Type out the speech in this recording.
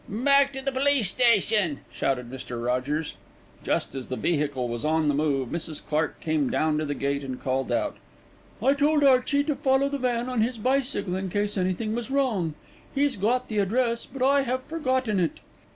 "Back to the police station," shouted Mr. Rogers. Just as the vehicle was on the move Mrs. Clark came down to the gate and called out, "I told Archie to follow the van on his bicycle in case anything was wrong. He's got the address, but I have forgotten it.